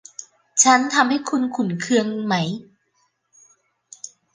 ฉันทำให้คุณขุ่นเคืองไหม